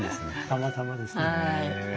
たまたまですね。